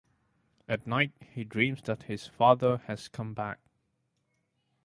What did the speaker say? At night he dreams that his father has come back.